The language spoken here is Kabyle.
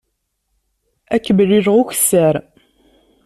Ad k-mlileɣ ukessar.